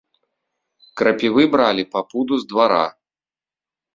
Крапівы бралі па пуду з двара.